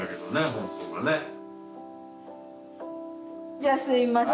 じゃあすいません。